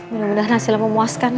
mudah mudahan hasilnya memuaskan